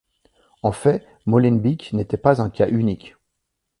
En fait Molenbeek n’était pas un cas unique.